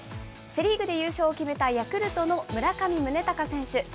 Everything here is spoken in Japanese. セ・リーグで優勝を決めたヤクルトの村上宗隆選手。